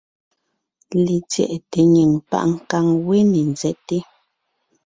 Letsyɛʼte nyìŋ páʼ nkàŋ wé ne ńzɛ́te.